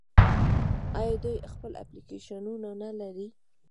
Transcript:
آیا دوی خپل اپلیکیشنونه نلري؟